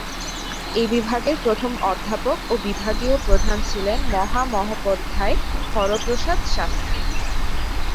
এ বিভাগের প্রথম অধ্যাপক ও বিভাগীয় প্রধান ছিলেন মহামহোপাধ্যায় হরপ্রসাদ শাস্ত্রী।